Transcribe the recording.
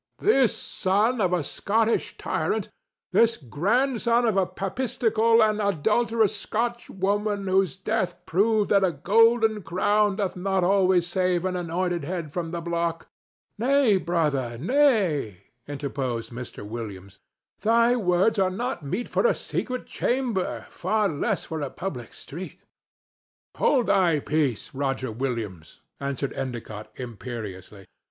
This son of a Scotch tyrant—this grandson of a papistical and adulterous Scotch woman whose death proved that a golden crown doth not always save an anointed head from the block—" "Nay, brother, nay," interposed Mr. Williams; "thy words are not meet for a secret chamber, far less for a public street." "Hold thy peace, Roger Williams!" answered Endicott, imperiously.